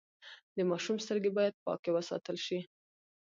د ماشوم سترګې باید پاکې وساتل شي۔